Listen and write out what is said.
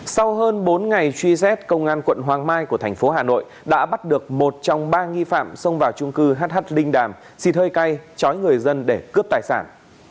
sau hơn bốn ngày truy xét công an quận hoàng mai của thành phố hà nội đã bắt được một trong ba nghi phạm xông vào trung cư hh linh đàm xịt hơi cay chói người dân để cướp tài sản